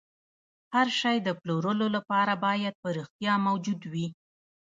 هر شی د پلورلو لپاره باید په رښتیا موجود وي